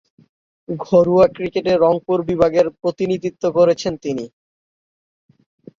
ঘরোয়া ক্রিকেটে রংপুর বিভাগের প্রতিনিধিত্ব করছেন তিনি।